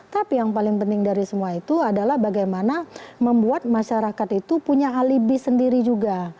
tapi yang paling penting dari semua itu adalah bagaimana membuat masyarakat itu punya alibi sendiri juga